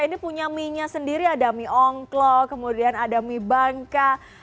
ini punya mie nya sendiri ada mie ongklok kemudian ada mie bangka